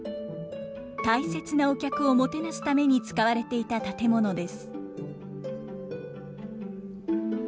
大切なお客をもてなすために使われていた建物です。